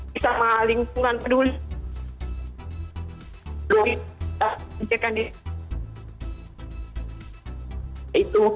bisa maling bukan peduli